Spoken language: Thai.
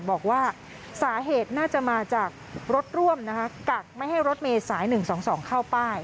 บอกว่าสาเหตุน่าจะมาจากรถร่วมนะคะกักไม่ให้รถเมย์สายหนึ่งสองสองเข้าไป